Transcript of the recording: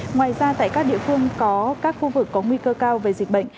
ngoài ra tại các địa phương có các khu vực có nguy cơ cao về dịch bệnh